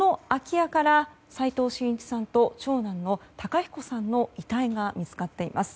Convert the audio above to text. この空き家から齋藤真一さんと長男の孝彦さんの遺体が見つかっています。